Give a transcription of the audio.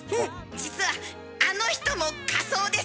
実はあの人も仮装です！